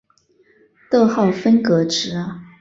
逗号分隔值。